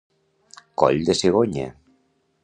Coll de cigonya.